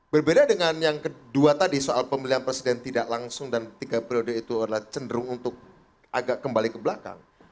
berbeda dengan yang kedua tadi soal pemilihan presiden tidak langsung dan tiga periode itu adalah cenderung untuk agak kembali ke belakang